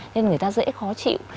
nên người ta dễ khó chịu